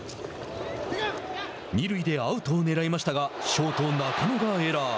二塁でアウトをねらいましたがショート・中野がエラー。